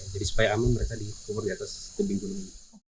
jadi supaya aman mereka dikubur di atas kebingungan ini